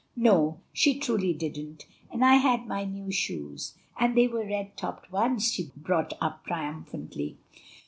"No, she truly didn't; and I had my new shoes, and they were red topped ones," she brought up triumphantly.